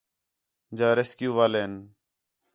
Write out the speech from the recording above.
جا ریسکیو والے ہین